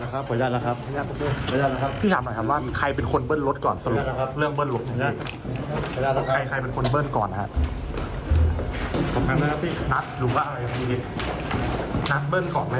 ขออนุญาตนะครับขออนุญาตนะครับ